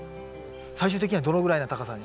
最終的にはどのぐらいの高さに？